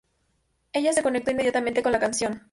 Ella se conectó inmediatamente con la canción.